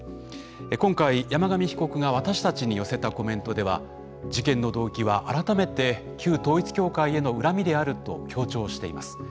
今回、山上被告が私たちに寄せたコメントでは事件の動機は改めて旧統一教会への恨みであると強調しています。